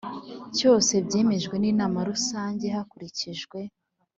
cyose byemejwe n Inama Rusange hakurikijwe